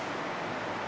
jadi sangat terbatas